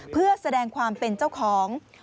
เพื่อแสดงความเป็นเจ้าของ